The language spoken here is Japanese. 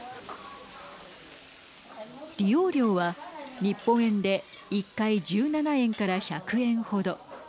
利用料は日本円で１回１７円から１００円ほど。